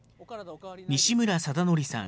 西村貞範さん